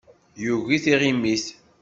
Yugi tiɣimit.